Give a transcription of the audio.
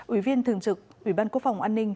ủy viên thường trực ủy ban quốc phòng an ninh